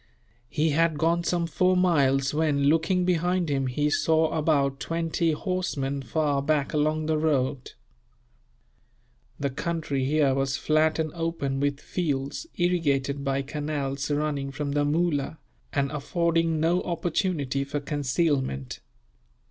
He had gone some four miles when, looking behind him, he saw about twenty horsemen, far back along the road. The country here was flat and open, with fields irrigated by canals running from the Moola, and affording no opportunity for concealment.